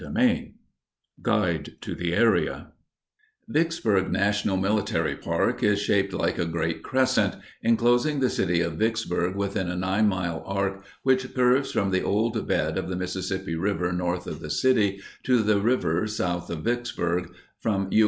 ] Guide to the Area Vicksburg National Military Park is shaped like a great crescent, enclosing the city of Vicksburg within a 9 mile arc which curves from the old bed of the Mississippi River north of the city to the river south of Vicksburg (from U.